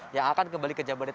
yang akan kembali ke jawa barat